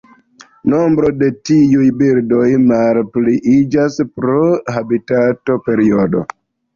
Nombroj de tiu birdo malpliiĝas pro habitatoperdo.